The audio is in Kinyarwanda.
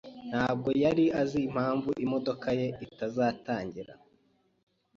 ntabwo yari azi impamvu imodoka ye itazatangira.